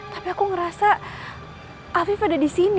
tapi aku ngerasa afif ada disini